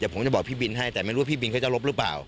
ผมจะบอกพี่บินให้แต่ไม่รู้ว่าพี่บินเขาจะลบหรือเปล่า